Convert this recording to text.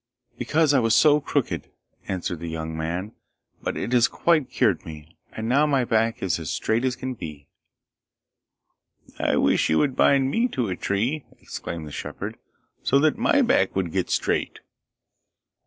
'Because I was so crooked,' answered the young man; 'but it has quite cured me, and now my back is as straight as can be.' 'I wish you would bind me to a tree,' exclaimed the shepherd, 'so that my back would get straight.